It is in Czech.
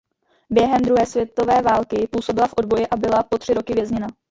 Během druhé světové války působila v odboji a byla po tři roky vězněna.